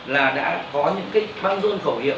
là đã có những băng dung khẩu hiệu